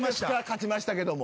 勝ちましたけども。